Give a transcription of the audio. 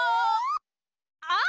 あっ！